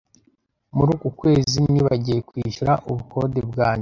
Muri uku kwezi nibagiwe kwishyura ubukode bwanjye.